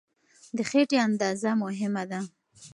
د خېټې اندازه مهمه ده.